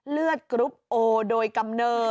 เลือดกรุ๊ปโอโดยกำเนิด